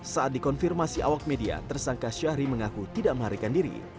saat dikonfirmasi awak media tersangka syahri mengaku tidak melarikan diri